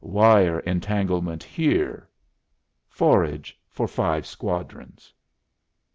"Wire entanglements here"; "forage for five squadrons."